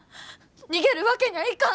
逃げるわけにゃあいかん！